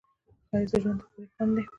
ښایست د ژوند ښکلی خوند دی